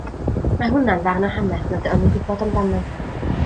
Mae hwnna'n ddarn o hanes nad o'n i'n gwybod amdano.